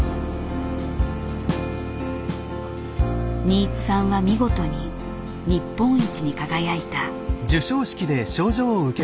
新津さんは見事に日本一に輝いた。